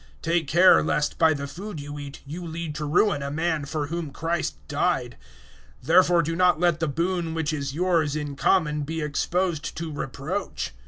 Take care lest, by the food you eat, you lead to ruin a man for whom Christ died. 014:016 Therefore do not let the boon which is yours in common be exposed to reproach.